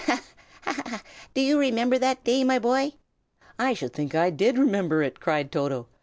Ha! ha! ha! do you remember that day, my boy?" "I should think I did remember it!" cried Toto.